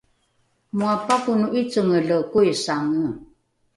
moa pakono ’icengele koisange